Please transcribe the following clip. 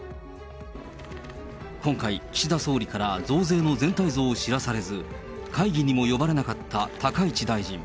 今回、岸田総理から増税の全体像を知らされず、会議にも呼ばれなかった高市大臣。